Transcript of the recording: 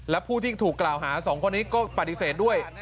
และผู้ที่ถูกกล่าวหา๒คนนี้ก็ปฏิเสธด้วย